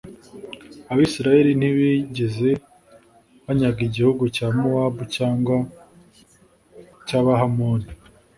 abayisraheli ntibigeze banyaga igihugu cya mowabu cyangwa cy'abahamoni